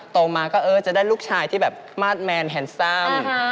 โตมาก็เออจะได้ลูกชายที่แบบมาสแมนแฮนซัม